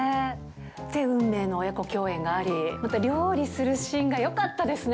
って運命の親子共演があり、料理するシーンがよかったですね。